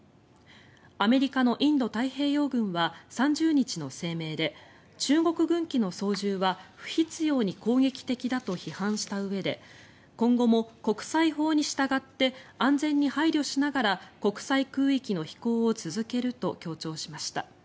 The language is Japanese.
アメリカのインド太平洋軍は３０日の声明で中国軍機の操縦は不必要に攻撃的だと批判したうえで今後も国際法に従って安全に配慮しながら国際空域の飛行を続けると強調しました。